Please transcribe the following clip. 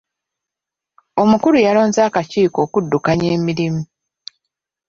Omukulu yalonze akakiiko okuddukanya emirimu.